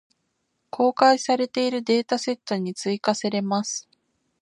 公開されているデータセットに追加せれます。